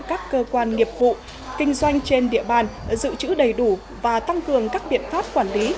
các cơ quan nghiệp vụ kinh doanh trên địa bàn dự trữ đầy đủ và tăng cường các biện pháp quản lý